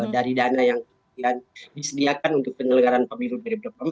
dari dana yang kemudian disediakan untuk penyelenggaraan pemilu dari bapak ibu